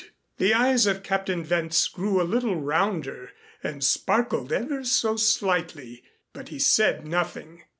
The eyes of Captain Wentz grew a little rounder and sparkled ever so slightly, but he said nothing.